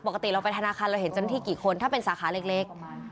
ปกติเราไปธนาคารเราเห็นเจ้าหน้าที่กี่คนถ้าเป็นสาขาเล็ก